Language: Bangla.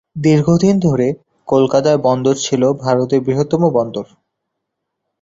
দীর্ঘদিন ধরে, কলকাতা বন্দর ছিল ভারতের বৃহত্তম বন্দর।